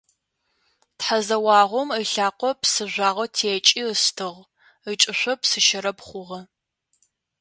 Тхьэзэуагъэм ылъакъо псыжъуагъэ текӏи ыстыгъ, ыкӏышъо псыщэрэб хъугъэ.